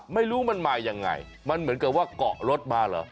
ไม่รู้มันมายังไงมันเหมือนกับว่าเกาะรถมาเหรอ